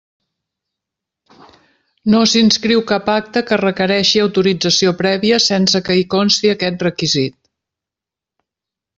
No s'inscriu cap acte que requereixi autorització prèvia sense que hi consti aquest requisit.